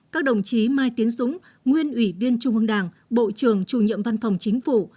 các đồng chí mai tiến dũng nguyên ủy viên trung ương đảng bộ trưởng chủ nhiệm văn phòng chính phủ